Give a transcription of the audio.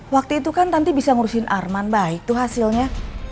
waktu itu kan tanti bisa ngurusin arman baik itu hasilnya